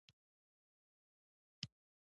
ځکه چې ټکنالوژي او نوښت ونه سراسري شوي نه وو.